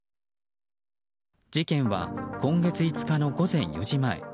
事件は今月５日の午前４時前。